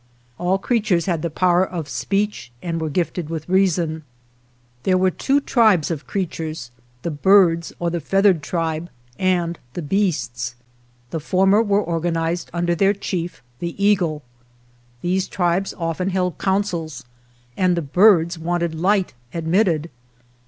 All creatures had the power of speech and were gifted with reason. There were two tribes of creatures: the birds or the feathered tribe and the beasts. 3 GERONIMO The former were organized under their chief, the eagle. These tribes often held councils, and the birds wanted light admitted.